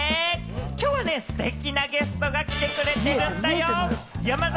きょうはね、ステキなゲストが来てくれてるんだよ。